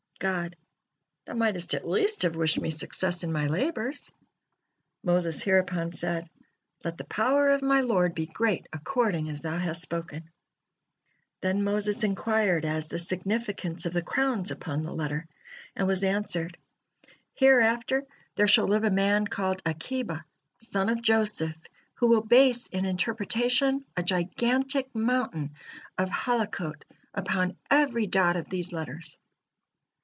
God: "Thou mightest at least have wished Me success in My labors." Moses hereupon said: "Let the power of my Lord be great according as Thou hast spoken." Then Moses inquired as the significance of the crowns upon the letter, and was answered: "Hereafter there shall live a man called Akiba, son of Joseph, who will base in interpretation a gigantic mountain of Halakot upon every dot of these letters."